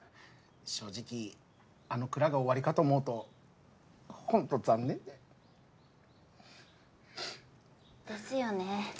正直あの蔵が終わりかと思うとホント残念で。ですよね。